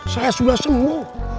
saya sudah sembuh